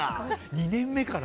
２年目から。